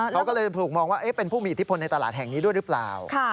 เขาก็เลยถูกมองว่าเป็นผู้มีอิทธิพลในตลาดแห่งนี้ด้วยหรือเปล่า